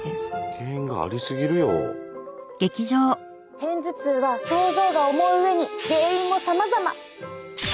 片頭痛は症状が重い上に原因もさまざま。